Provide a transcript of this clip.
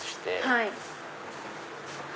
はい。